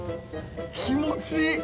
気持ちいい。